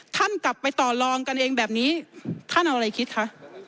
ท่านกลับไปต่อลองกันเองแบบนี้ท่านเอาอะไรคิดคะ